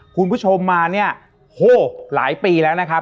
คุณผู้ชมมาเนี่ยโหหลายปีแล้วนะครับ